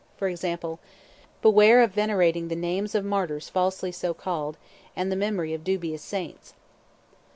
For example, "Beware of venerating the names of martyrs falsely so called, and the memory of dubious saints."